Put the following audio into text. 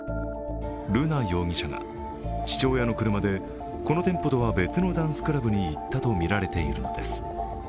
瑠奈容疑者が父親の車でこの店舗とは別のダンスクラブに行ったとみられているのです。